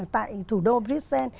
tại thủ đô brisbane